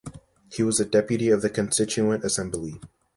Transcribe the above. He was a deputy of the Constituent Assembly.